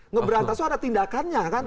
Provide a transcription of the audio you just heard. ngeberantasan ada tindakannya kan